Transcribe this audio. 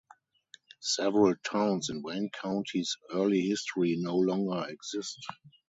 Several towns in Wayne County's early history no longer exist.